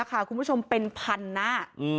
คุณผู้ชมเป็นพันหน้า